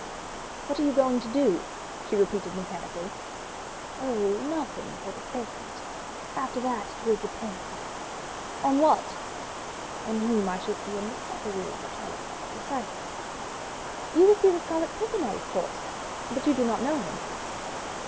"What are you going to do?" she repeated mechanically. "Oh, nothing for the present. After that it will depend." "On what?" "On whom I shall see in the supper room at one o'clock precisely." "You will see the Scarlet Pimpernel, of course. But you do not know him."